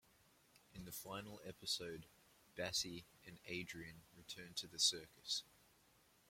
In the final episode Bassie and Adriaan return to the circus.